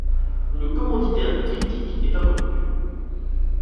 Le commanditaire du triptyque est inconnu.